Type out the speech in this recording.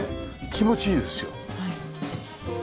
気持ちいいですよ。